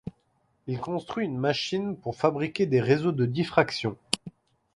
Il construit une machine pour fabriquer des réseaux de diffraction.